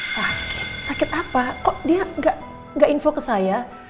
sakit sakit apa kok dia gak info ke saya